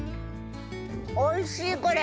おいしいこれ。